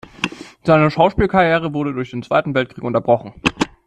Seine Schauspielkarriere wurde durch den Zweiten Weltkrieg unterbrochen.